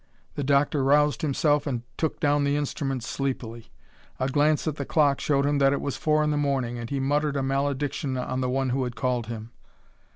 The doctor roused himself and took down the instrument sleepily. A glance at the clock showed him that it was four in the morning and he muttered a malediction on the one who had called him.